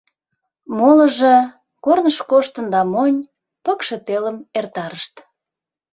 Молыжо, корныш коштын да монь, пыкше телым эртарышт.